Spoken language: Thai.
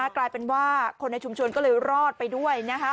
กลายเป็นว่าคนในชุมชนก็เลยรอดไปด้วยนะคะ